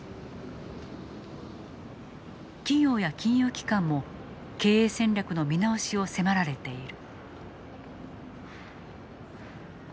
企業や金融機関も経営戦略の見直しを迫られている。